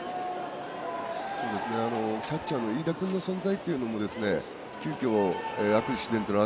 キャッチャーの飯田君の存在というのも急きょ、アクシデントの